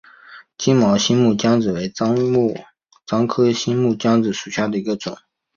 金毛新木姜子为樟科新木姜子属下的一个种。